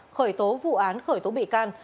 khởi tố vụ án khởi tố bị can